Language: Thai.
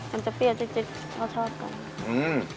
มันจะเปรี้ยวจริงเขาชอบกัน